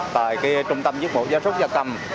tại trung tâm dịch vụ gia súc gia cầm